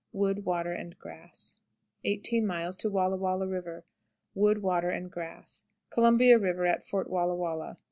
Wood, water, and grass. 18. Wallah Wallah River. Wood, water, and grass. Columbia River at Fort Wallah Wallah.